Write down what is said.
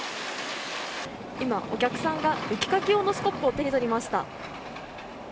今、お客さんが雪かき用のスコップを手に取りました。